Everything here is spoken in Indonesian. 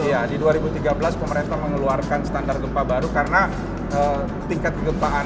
iya di dua ribu tiga belas pemerintah mengeluarkan standar gempa baru karena tingkat kegempaan